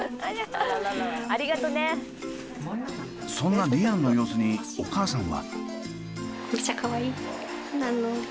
そんなリアンの様子にお母さんは。